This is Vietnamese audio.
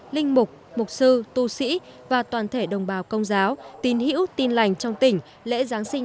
linh mục mục sư tu sĩ và toàn thể đồng bào công giáo tin hữu tin lành trong tỉnh lễ giáng sinh